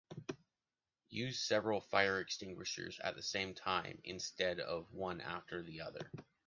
Use several fire extinguishers at the same time instead of one after the other!